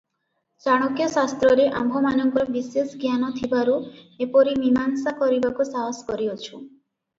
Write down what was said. ଚାଣକ୍ୟ ଶାସ୍ତ୍ରରେ ଆମ୍ଭମାନଙ୍କର ବିଶେଷ ଜ୍ଞାନ ଥିବାରୁ ଏପରି ମୀମାଂସା କରିବାକୁ ସାହସ କରିଅଛୁଁ ।